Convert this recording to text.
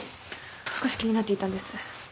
少し気になっていたんです。